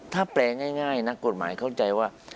ถ้าแปลง่ายนักกฎหมายเข้าใจว่า